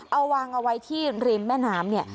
เอาวางเอาไว้ที่ริมแม่น้ำเนี่ย